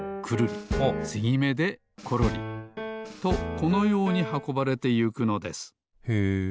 つぎめでコロリ。とこのようにはこばれてゆくのですへえ。